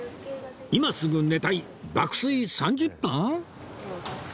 「今すぐ寝たい！爆睡３０分」？